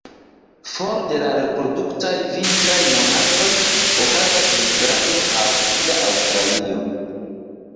For de la reproduktaj vintraj monatoj okazas migrado al Suda Aŭstralio.